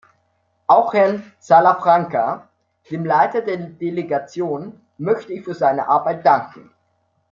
Auch Herrn Salafranca, dem Leiter der Delegation, möchte ich für seine Arbeit danken.